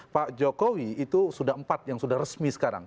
pak jokowi itu sudah empat yang sudah resmi sekarang